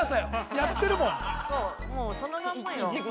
もう、そのまんまよ